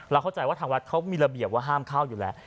เข้าใจว่าทางวัดเขามีระเบียบว่าห้ามเข้าอยู่แล้ว